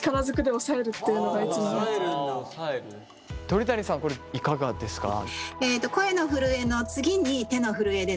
鳥谷さんこれいかがですか？